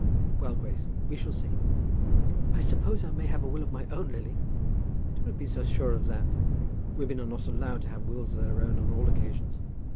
"Well, Grace; we shall see." "I suppose I may have a will of my own, Lily." "Do not be so sure of that. Women are not allowed to have wills of their own on all occasions.